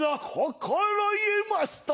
心得ました。